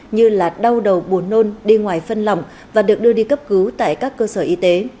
như là đau đầu buồn nôn đi ngoài phân lỏng và được đưa đi cấp cứu tại các cơ sở y tế